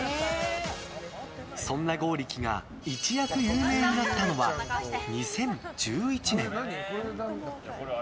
そんな剛力が一躍有名になったのは２０１１年。